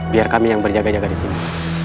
biar kami yang berjaga jaga disini